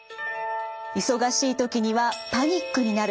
忙しい時にはパニックになる。